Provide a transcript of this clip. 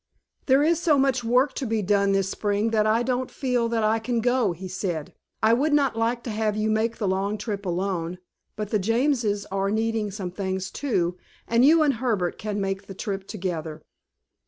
"There is so much work to be done this spring that I don't feel that I can go," he said. "I would not like to have you make the trip alone, but the Jameses are needing some things, too, and you and Herbert can make the trip together."